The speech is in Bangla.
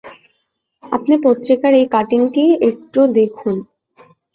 আপনি পত্রিকার এই কাটিংটি একটু দেখুন।